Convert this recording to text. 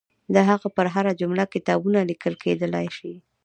د هغه پر هره جمله کتابونه لیکل کېدلای شي.